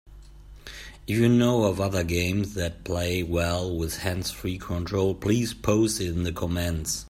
If you know of other games that play well with hands-free control, please post in the comments.